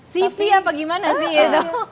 sifia apa gimana sih itu